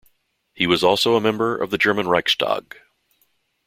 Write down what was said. He was also member of the German Reichstag.